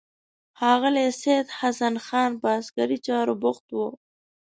ښاغلی سید حسن خان په عسکري چارو بوخت و.